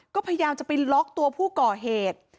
ก็พยายามจะไปล็อกตัวผู้ก่อเหตุ